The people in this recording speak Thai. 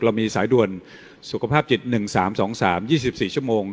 เรามีสายด่วนสุขภาพจิต๑๓๒๓๒๔ชั่วโมง